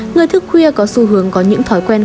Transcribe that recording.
người thức khuya có xu hướng có những thói quen